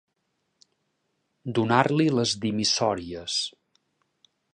Donar-li les dimissòries.